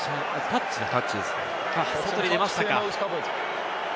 外に出ましたか。